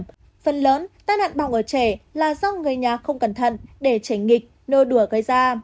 phần lớn tai nạn bỏng ở trẻ là do người nhà không cẩn thận để chảy nghịch nô đùa gây ra